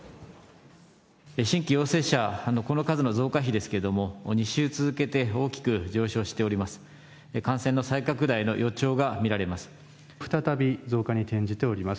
新規陽性者のこの数の増加比ですけれども、２週続けて大きく上昇しております。